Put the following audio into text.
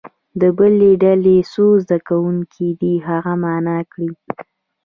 د بلې ډلې څو زده کوونکي دې هغه معنا کړي.